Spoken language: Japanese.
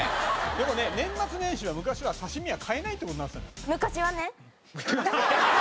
でもね年末年始は昔は刺身は買えないって事になってたのよ。